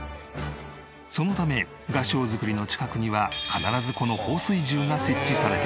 そのため合掌造りの近くには必ずこの放水銃が設置されている。